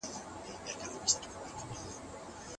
یو زوړ څېړونکی تل تجربې شریکوي.